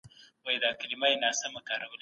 که د مطالعې فرهنګ پياوړی سي ټولنه پرمختګ کوي.